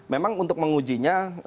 memang untuk mengujinya